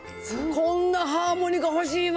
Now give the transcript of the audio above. こんなハーモニカ欲しいわ。